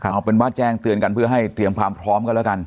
เอาเป็นว่าแจ้งเตือนกันเพื่อให้เตรียมความพร้อมกันแล้วกัน